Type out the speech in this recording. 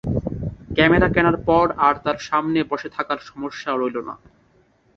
Camera কেনার পর আর তার সামনে বসে থাকার সমস্যা রইল না।